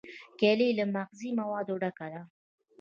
کېله له مغذي موادو ډکه ده.